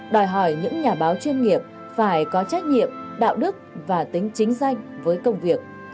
đòi hỏi những nhà báo chuyên nghiệp phải có trách nhiệm đạo đức và tính chính danh với công việc